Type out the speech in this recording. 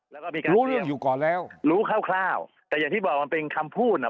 รู้เรื่องอยู่ก่อนแล้วรู้คร่าวคร่าวแต่อย่างที่บอกมันเป็นคำพูดน่ะ